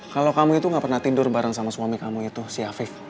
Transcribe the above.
kalau kamu itu gak pernah tidur bareng sama suami kamu itu si afif